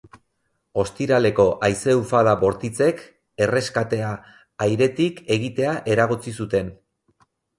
Ostiraleko haize-ufada bortitzek erreskatea airetik egitea eragotzi zuten.